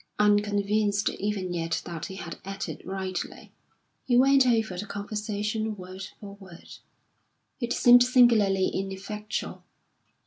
Unconvinced even yet that he had acted rightly, he went over the conversation word for word. It seemed singularly ineffectual.